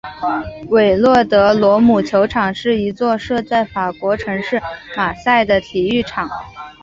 韦洛德罗姆球场是一座设在法国城市马赛的体育场。